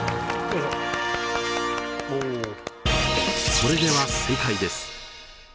それでは正解です。